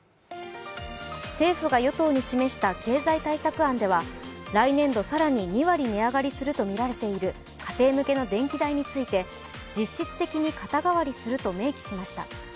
政府が与党に示した経済対策案では、来年度更に、２割値上がりするとみられている家庭向けの電気代について実質的に肩代わりすると明記しました。